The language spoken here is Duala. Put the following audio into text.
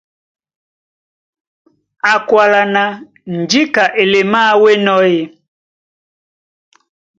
Á kwálá ná :Njíka elemáā wǎ ó enɔ́ ē?